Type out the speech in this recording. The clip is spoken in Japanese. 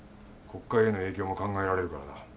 国会への影響も考えられるからな。